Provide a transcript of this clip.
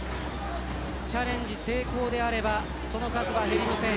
チャレンジ成功であればその数は減りません。